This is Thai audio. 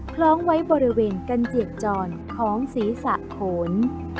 คล้องไว้บริเวณกันเจียกจรของศีรษะโขน